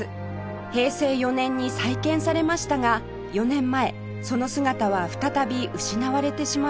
平成４年に再建されましたが４年前その姿は再び失われてしまいました